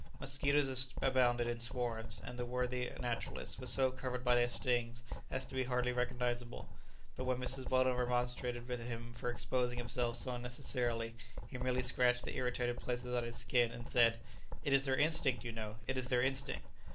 Mosquitos abounded in swarms, and the worthy naturalist was so covered by their stings as to be hardly recognizable; but when Mrs. Weldon remonstrated with him for exposing himself so unnecessarily, he merely scratched the irritated places on his skin, and said "It is their instinct, you know; it is their instinct."